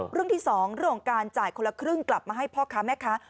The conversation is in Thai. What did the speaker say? เรื่องที่๒เรื่องของการจ่ายคนละครึ่งกลับมาให้พ่อค้าแม่ค้า